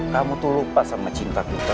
kamu tuh lupa sama cinta kita